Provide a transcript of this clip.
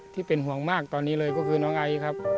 ที่เป็นห่วงมากตอนนี้เลยก็คือน้องไอครับ